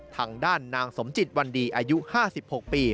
ทางด้านนางสมจิตวันดีอายุ๕๖ปี